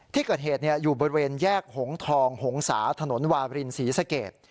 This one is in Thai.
ที่เกิดเหตุอยู่บริเวณแยกหงทองหงษาถนนวารินศรีสเกต